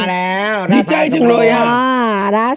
มีใจจึงเลยครับ